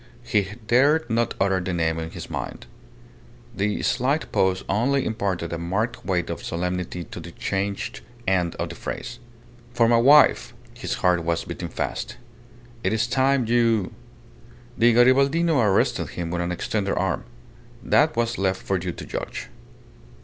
He dared not utter the name in his mind. The slight pause only imparted a marked weight and solemnity to the changed end of the phrase. "For my wife!" ... His heart was beating fast. "It is time you " The Garibaldino arrested him with an extended arm. "That was left for you to judge."